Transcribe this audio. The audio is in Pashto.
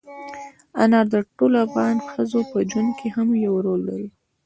انار د ټولو افغان ښځو په ژوند کې هم یو رول لري.